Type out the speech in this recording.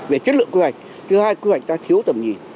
về chất lượng quy hoạch thứ hai quy hoạch ta thiếu tầm nhìn